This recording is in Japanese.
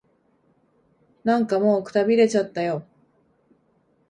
なんかもう、くたびれちゃったよ。